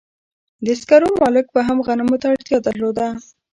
د سکارو مالک به هم غنمو ته اړتیا درلوده